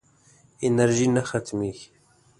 انرژي نه ختمېږي.